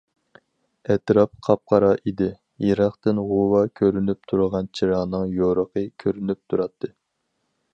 ئەتراپ قاپقارا ئىدى، يىراقتىن غۇۋا كۆرۈنۈپ تۇرغان چىراغنىڭ يورۇقى كۆرۈنۈپ تۇراتتى.